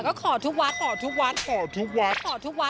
ก็ขอทุกวัดเลยค่ะ